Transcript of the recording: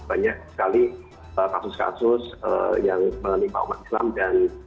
banyak sekali kasus kasus yang menimpa umat islam dan